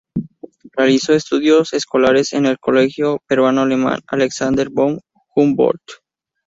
Realizó estudios escolares en el Colegio Peruano Alemán Alexander von Humboldt.